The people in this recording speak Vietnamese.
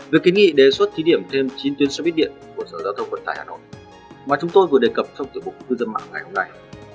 vừa kín nghị đề xuất thí điểm thêm chín tuyến xe buýt điện của sở giao thông quận tài hà nội mà chúng tôi vừa đề cập trong tiệm vụ cư dân mạng ngày hôm nay